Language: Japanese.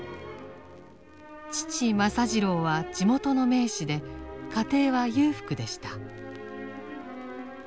父政次郎は地元の名士で家庭は裕福でした。